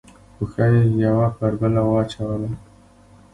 پښه یې یوه پر بله واچوله.